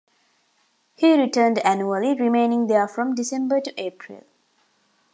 He returned annually, remaining there from December to April.